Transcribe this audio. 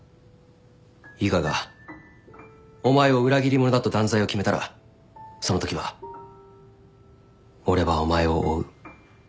伊賀がお前を裏切り者だと断罪を決めたらそのときは俺はお前を追う。